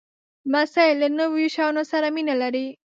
لمسی له نویو شیانو سره مینه لري.